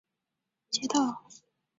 政府驻地匡远街道。